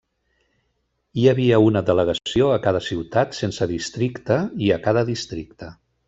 Hi havia una delegació a cada ciutat sense districte i a cada districte.